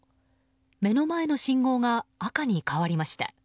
目の前の信号が赤に変わりました。